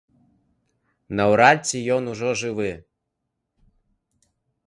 Наўрад ці ён ужо жывы.